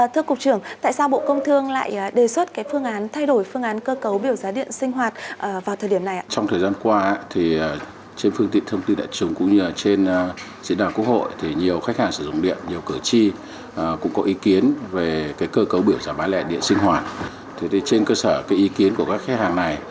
thưa cục trưởng tại sao bộ công thương lại đề xuất thay đổi phương án cơ cấu biểu giá điện sinh hoạt vào thời điểm này